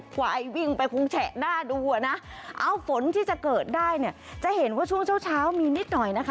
กว่าไอ้วิ่งไปคงแฉะหน้าดูอ่ะนะเอ้าฝนที่จะเกิดได้เนี่ยจะเห็นว่าช่วงเช้าเช้ามีนิดหน่อยนะคะ